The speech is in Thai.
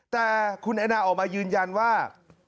แต่คุณแอนนาออกมายืนยันว่า